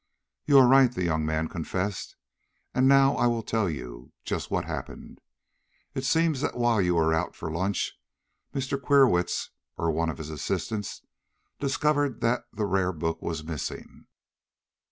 "You are right," the young man confessed, "and now I will tell you just what happened. It seems that while you were out for lunch Mr. Queerwitz, or one of his assistants, discovered that the rare book was missing.